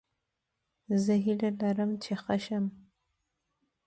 زه هیله لرم چې ښه شم